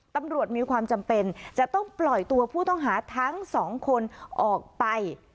ตำรวจมีความจำเป็นจะต้องปล่อยตัวผู้ต้องหาทั้งสองคนออกไป